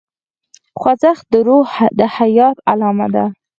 خوځښت د روح د حیات علامه ده.